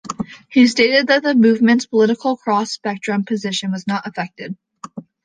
He stated that the movement's political cross-spectrum position was not affected.